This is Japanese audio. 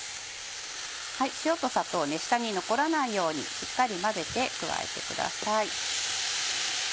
塩と砂糖下に残らないようにしっかり混ぜて加えてください。